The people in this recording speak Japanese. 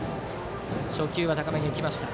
初球は高めに浮きました。